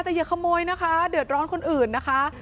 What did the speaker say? แต่อย่าขโมยนะคะเดือดร้อนคนอื่นนะคะ